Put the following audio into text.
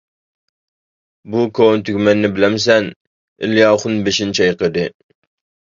-بۇ كونا تۈگمەننى بىلەمسەن؟ ئىلى ئاخۇن بېشىنى چايقىدى.